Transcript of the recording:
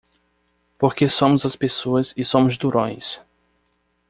Porque somos as pessoas e somos durões!